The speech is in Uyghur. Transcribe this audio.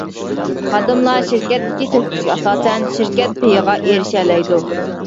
خادىملار شىركەتتىكى تۆھپىسىگە ئاساسەن، شىركەت پېيىغا ئېرىشەلەيدۇ.